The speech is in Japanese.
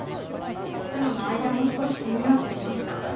黒の間も少し気になってきました。